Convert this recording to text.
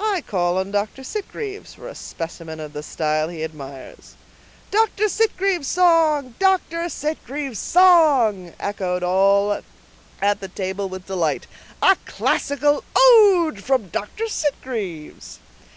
"I call on Dr. Sitgreaves for a specimen of the style he admires." "Dr. Sitgreaves' song! Dr. Sitgreaves' song!" echoed all at the table with delight; "a classical ode from Dr. Sitgreaves!"